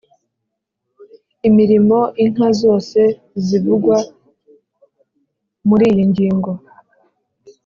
imirimo Inka zose zivugwa muri iyi ngingo